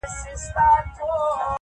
پاچهي وه د وطن د دنیادارو -